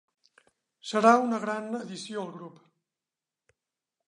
Serà una gran addició al grup.